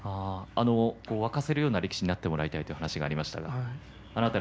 沸かせるような力士になってもらいたいという話がありました。